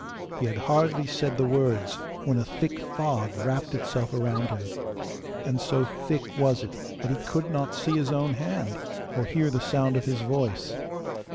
He had hardly said the words when a thick fog wrapped itself around him, and so thick was it that he could not see his own hand, or hear the sound of his voice.